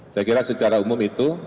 saya kira secara umum itu